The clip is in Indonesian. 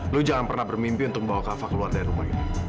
lu jangan pernah bermimpi untuk bawa kak taufan keluar dari rumah ini